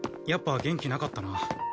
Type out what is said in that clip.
やっぱ元気なかったな。